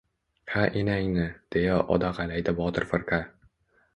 — He, enangni... — deya o‘dag‘ayladi Botir firqa.